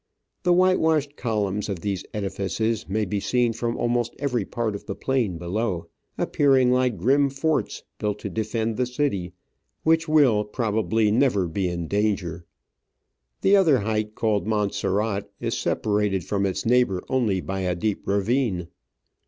The whitewashed columns of these edifices maybe seen from almost every part of the plain below — appearing like grim forts built to defend the city, which will, probably, never be in danger. The other height, called Monserrate, is separated from its neighbour only by a deep ravine.